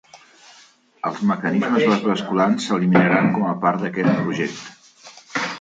Els mecanismes basculants s"eliminaran com a part d"aquest project.